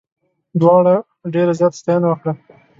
دواړو ډېره زیاته ستاینه وکړه.